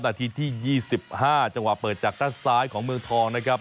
นาทีที่๒๕จังหวะเปิดจากด้านซ้ายของเมืองทองนะครับ